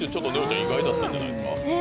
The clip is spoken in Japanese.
意外だったんじゃないですか？